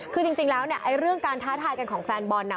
คือจริงแล้วเนี่ยเรื่องการท้าทายกันของแฟนบอลน่ะ